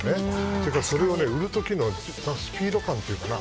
それからそれを売る時のスピード感というかね。